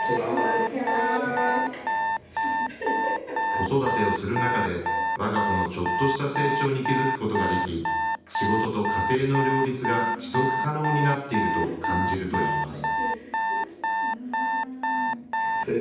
子育てをする中でわが子のちょっとした成長に気付くことができ、仕事と家庭の両立が持続可能になっていると感じるといいます。